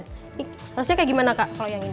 ini harusnya kayak gimana kak kalau yang ini